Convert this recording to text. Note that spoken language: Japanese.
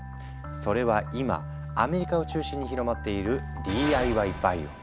それは今アメリカを中心に広まっている「ＤＩＹバイオ」。